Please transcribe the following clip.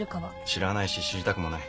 知らないし知りたくもない。